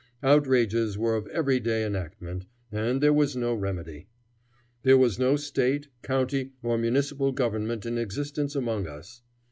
Outrages were of every day enactment, and there was no remedy. There was no State, county, or municipal government in existence among us.